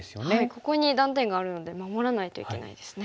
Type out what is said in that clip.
ここに断点があるので守らないといけないですね。